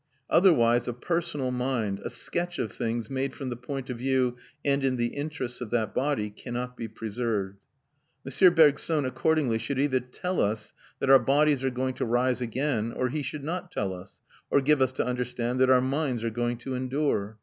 Otherwise a personal mind, a sketch of things made from the point of view and in the interests of that body, cannot be preserved. M. Bergson, accordingly, should either tell us that our bodies are going to rise again, or he should not tell us, or give us to understand, that our minds are going to endure.